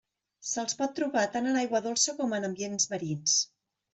Se'ls pot trobar tant en aigua dolça com en ambients marins.